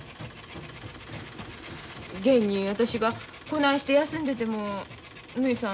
現に私がこないして休んでてもぬひさん